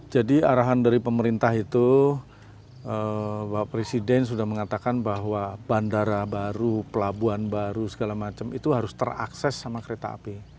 jadi arahan dari pemerintah itu mbak presiden sudah mengatakan bahwa bandara baru pelabuhan baru segala macam itu harus terakses sama kereta api